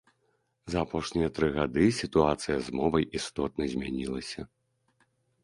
За апошнія тры гады сітуацыя з мовай істотна змянілася.